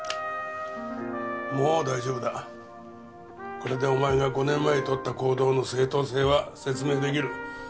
これでお前が５年前に取った行動の正当性は説明出来る。